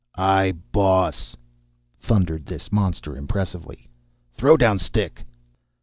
"I boss," thundered this monster impressively. "Throw down stick."